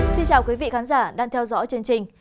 xin chào quý vị khán giả đang theo dõi chương trình